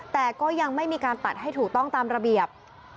แต่ก็ยังไม่มีการตัดให้ถูกต้องตามระเบียบ